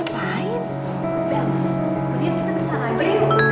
bel kemudian kita bisa lagi